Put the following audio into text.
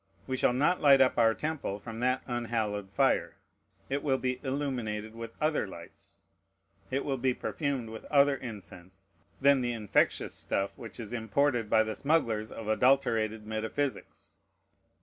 We shall not light up our temple from that unhallowed fire. It will be illuminated with other lights. It will be perfumed with other incense than the infectious stuff which is imported by the smugglers of adulterated metaphysics.